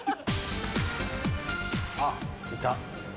あっいた。